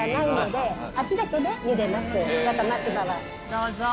どうぞ。